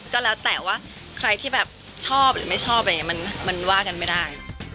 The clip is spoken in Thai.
ก็แล้วแต่ว่าใครที่แบบชอบหรือไม่ชอบมันว่ากันไม่ได้